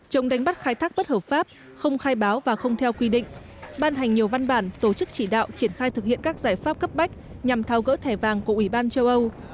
chống đánh bắt khai thác bất hợp pháp không khai báo và không theo quy định ban hành nhiều văn bản tổ chức chỉ đạo triển khai thực hiện các giải pháp cấp bách nhằm thao gỡ thẻ vàng của ủy ban châu âu